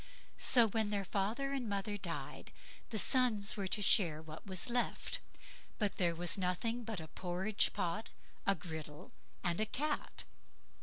So when their father and mother died, the sons were to share what was left, but there was nothing but a porridge pot, a griddle, and a cat.